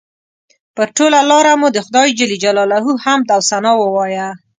پر ټوله لاره مو د خدای جل جلاله حمد او ثنا ووایه.